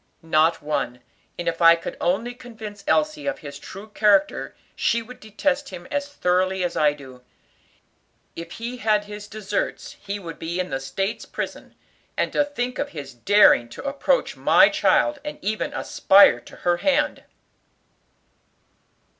"Not one; and if I could only convince Elsie of his true character she would detest him as thoroughly as I do. If he had his deserts, he would be in the State's Prison; and to think of his daring to approach my child, and even aspire to her hand!"